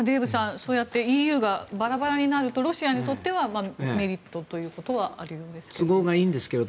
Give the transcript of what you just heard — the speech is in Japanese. そうやってＥＵがバラバラになるとロシアにとってはメリットということはあるようですけど。